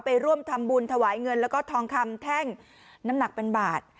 ไปร่วมทำบุญถวายเงินแล้วก็ทองคำแท่งน้ำหนักเป็นบาท